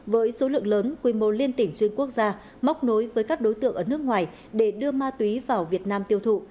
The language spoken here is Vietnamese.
với số lượng lớn quy mô liên tỉnh xuyên quốc gia móc nối với các đối tượng ở nước ngoài để đưa ma túy vào việt nam tiêu thụ